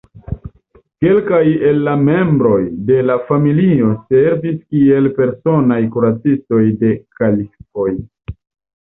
Kelkaj el la membroj de la familio servis kiel personaj kuracistoj de kalifoj.